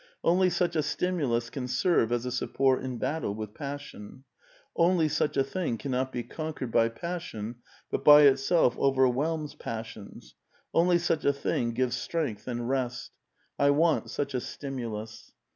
Only such a stimulus can sei*ve as a sup'port in battle with passion ; only such a thing cannot be conquered by passion, but by itself overwhelms passions ; only such a thing gives strength and rest. I want such a stimulus."